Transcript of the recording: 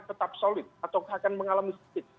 tetap solid atau akan mengalami sedikit